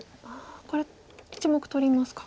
これ１目取りますか。